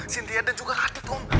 cynthia dan juga ratit om